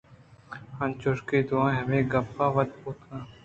انچوش کہ دوئیں ہمے گپ ءِ ودار ءَ بوتگ اَنت